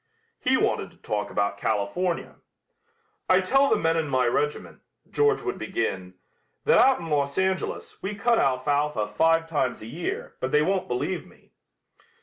He wanted to talk about California. "I tell the men in my regiment," George would begin, "that out in Los Angeles we cut alfalfa five times a year, but they won't believe me."